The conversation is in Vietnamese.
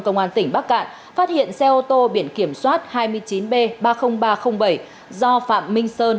công an tỉnh bắc cạn phát hiện xe ô tô biển kiểm soát hai mươi chín b ba mươi nghìn ba trăm linh bảy do phạm minh sơn